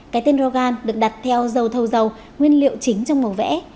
cái tên rogan được đặt theo dầu thầu dầu nguyên liệu chính trong màu vẽ